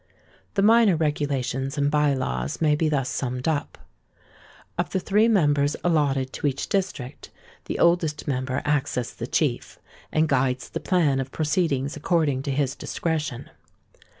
The minor regulations and bye laws may be thus summed up:—Of the three members allotted to each district, the oldest member acts as the chief, and guides the plan of proceedings according to his discretion.